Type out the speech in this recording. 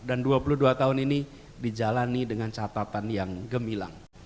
dan dua puluh dua tahun ini dijalani dengan catatan yang gemilang